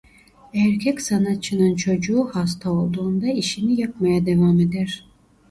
Erkek sanatçının çocuğu hasta olduğunda işini yapmaya devam eder.